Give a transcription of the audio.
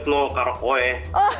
jangan pake kata pria